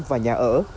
và nhà ở